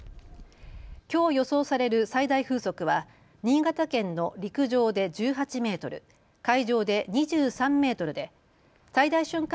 きょう予想される最大風速は新潟県の陸上で１８メートル、海上で２３メートルで最大瞬間